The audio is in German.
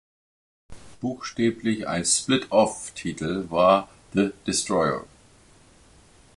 Buchstäblich ein Split-Off Titel war "The Destroyer".